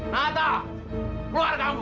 nata keluar kamu